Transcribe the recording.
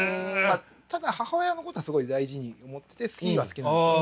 ただ母親のことはすごい大事に思ってて好きは好きなんですよ。